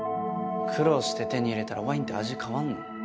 苦労して手に入れたらワインって味変わるの？